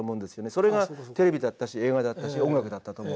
それがテレビだったし映画だったし音楽だったと思う。